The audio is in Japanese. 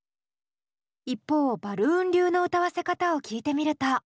一方バルーン流の歌わせ方を聴いてみると。